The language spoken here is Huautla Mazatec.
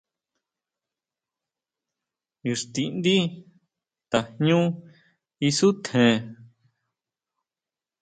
Ixtindi tajñu isutjen.